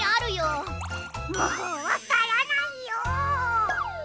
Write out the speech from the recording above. もうわからないよ！